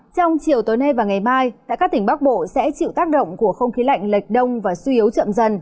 trong chiều tối nay và ngày mai tại các tỉnh bắc bộ sẽ chịu tác động của không khí lạnh lệch đông và suy yếu chậm dần